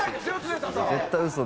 絶対嘘だ。